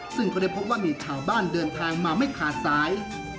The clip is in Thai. ซึ่งก็ได้พบว่ามีชาวบ้านเดินทางมาไม่ขาดสาย